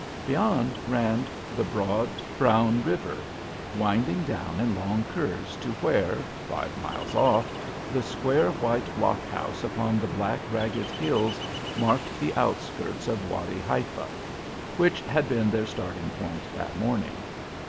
Beyond ran the broad, brown river, winding down in long curves to where, five miles off, the square, white block houses upon the black, ragged hills marked the outskirts of Wady Haifa, which had been their starting point that morning.